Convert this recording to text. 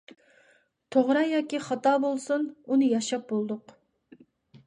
توغرا ياكى خاتا بولسۇن، ئۇنى ياشاپ بولدۇق.